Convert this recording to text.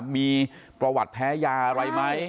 มีประวัติแพ้ยาอะไรไหม